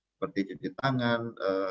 seperti cuci tangan